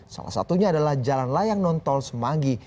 salah satunya adalah jalan layang nontol semanggi